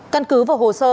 căn cứ vô hồ sơ